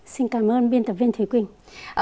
xin cảm ơn biên tập viên thúy quỳnh